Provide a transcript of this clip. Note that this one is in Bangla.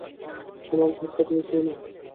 আমার ভাগটা তুমিই খেয়ে নাও।